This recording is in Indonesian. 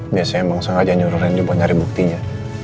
biasanya emang sengaja nyuruh randy buat cari buktinya